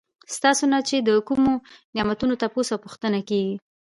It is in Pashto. ستاسو نه چې د کومو نعمتونو تپوس او پوښتنه کيږي